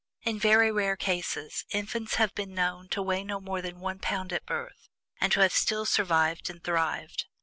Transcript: In very rare cases, infants have been known to weigh no more than one pound at birth, and to have still survived and thrived.